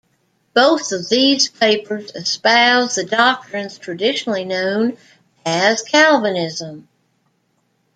Both of these papers espoused the doctrines traditionally known as Calvinism.